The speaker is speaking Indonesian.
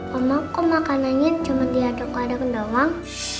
mama kok makanannya cuma diatur kodec doang